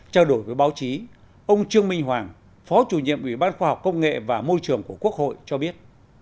trao đổi với báo chí ông trương minh hoàng phó chủ nhiệm ủy ban khoa học công nghệ và môi trường của quốc hội cho biết